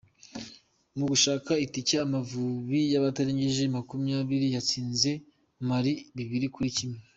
Mu gushaka itike Amavubi y’abatarengeje makumyabiri yatsinze Mali bibiri kuri kimwe